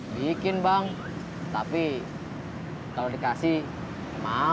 bikin bang tapi kalau dikasih mahal